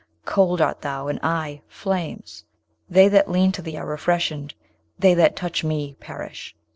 Cold art thou, and I flames! They that lean to thee are refreshed, they that touch me perish.'